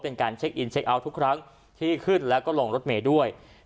เป็นการเช็คอินเช็คเอาท์ทุกครั้งที่ขึ้นแล้วก็ลงรถเมย์ด้วย